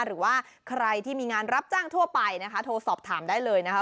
หรือว่าใครที่มีงานรับจ้างทั่วไปนะคะโทรสอบถามได้เลยนะคะ